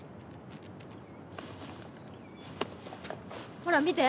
ほら見て。